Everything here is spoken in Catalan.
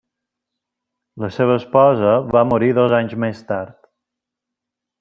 La seva esposa va morir dos anys més tard.